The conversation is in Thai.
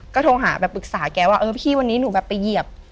ก็โทรหาแบบปรึกษาแกว่าเออพี่วันนี้หนูแบบไปเหยียบ